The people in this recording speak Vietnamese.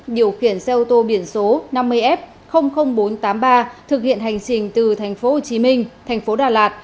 điều khiển xe ô tô biển số năm mươi f bốn trăm tám mươi ba thực hiện hành trình từ thành phố hồ chí minh thành phố đà lạt